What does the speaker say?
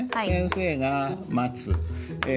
「先生が待つ」え